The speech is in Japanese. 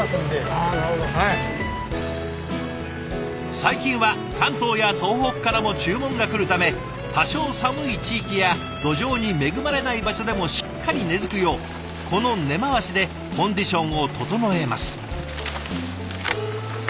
最近は関東や東北からも注文が来るため多少寒い地域や土壌に恵まれない場所でもしっかり根づくようこの根回しでコンディションを整えます。